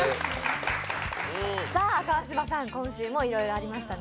川島さん、今週もいろいろありましたね。